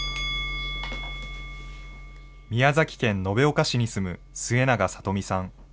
宮崎県延岡市に住む末永里美さん。